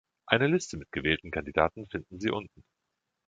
Eine Liste mit gewählten Kandidaten finden Sie unten.